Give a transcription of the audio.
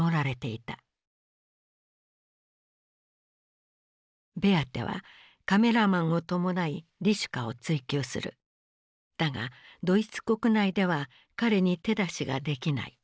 だがドイツ国内では彼に手出しができない。